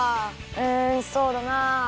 うんそうだな。